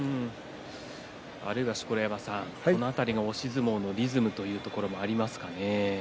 あるいはこの辺り押し相撲のリズムというところもありますかね。